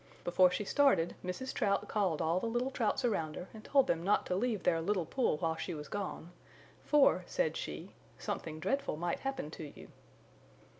Before she started Mrs. Trout called all the little Trouts around her and told them not to leave their little pool while she was gone, "For," said she, "something dreadful might happen to you."